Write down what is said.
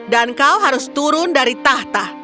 kau harus turun dari tahta